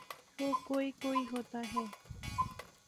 وہ کوئی کوئی ہوتا ہے۔